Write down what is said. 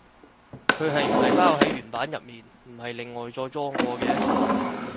佢係唔係包喺原版入面，唔係另外再裝過嘅？